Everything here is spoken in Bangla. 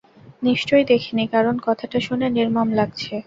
নিশ্চয়ই দেখিনি, কারণ কথাটা শুনে নির্মম লাগছে।